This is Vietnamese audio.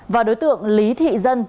và đối tượng lý thị dân